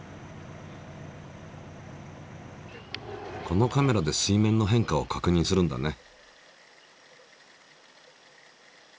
このカメラで水面の変化を確認するんだね。